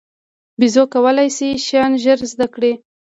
بیزو کولای شي شیان ژر زده کړي.